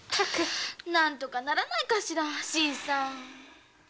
なんとかならないかしら新さん？